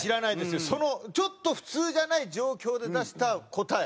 そのちょっと普通じゃない状況で出した答え